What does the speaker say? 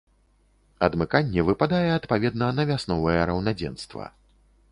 Адмыканне выпадае адпаведна на вясновае раўнадзенства.